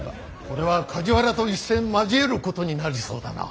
これは梶原と一戦交えることになりそうだな。